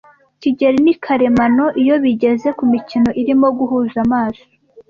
kigeli ni karemano iyo bigeze kumikino irimo guhuza amaso.